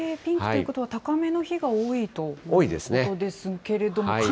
ピンクということは、高めの日が多いということですけれども。